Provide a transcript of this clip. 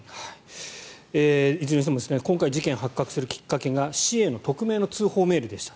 いずれにしても今回、事件が発覚するきっかけが市への匿名の通報メールでした。